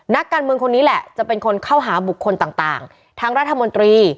นักการเมืองคนนี้แหละจะเป็นคนเข้าหาบุคคลต่างทั้งรัฐมนตรี